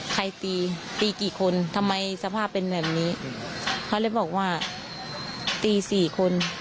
ตีตีกี่คนทำไมสภาพเป็นแบบนี้เขาเลยบอกว่าตีสี่คน